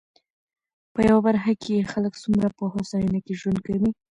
په يوه برخه کې يې خلک څومره په هوساينه کې ژوند کوي.